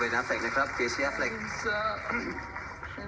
น้องชายของเคซีอาฟเล็กนะครับ